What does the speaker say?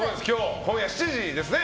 今夜７時ですね。